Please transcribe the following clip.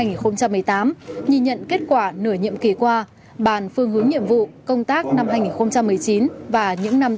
hai nghìn một mươi tám nhìn nhận kết quả nửa nhiệm kỳ qua bàn phương hướng nhiệm vụ công tác năm hai nghìn một mươi chín và những năm